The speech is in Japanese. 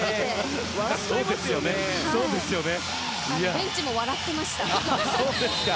ベンチも笑ってました。